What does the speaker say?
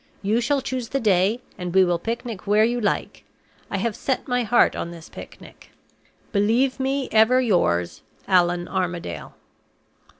You shall choose the day, and we will picnic where you like. I have set my heart on this picnic. "Believe me, ever yours, "ALLAN ARMADALE."